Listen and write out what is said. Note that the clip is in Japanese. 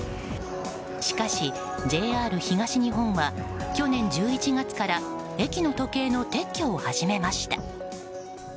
しかし、ＪＲ東日本は去年１１月から駅の時計の撤去を始めました。